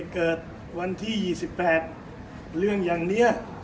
เกิดวันที่๒๘เรื่องอย่างนี้